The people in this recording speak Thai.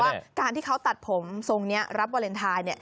ว่าการที่เขาตัดผมทรงนี้รับวาเลนไทย